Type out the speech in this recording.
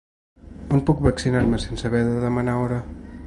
On puc vaccinar-me sense haver de demanar hora?